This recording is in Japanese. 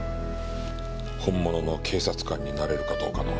本物の警察官になれるかどうかの。